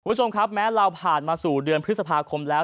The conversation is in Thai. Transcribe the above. คุณผู้ชมครับแม้เราผ่านมาสู่เดือนพฤษภาคมแล้ว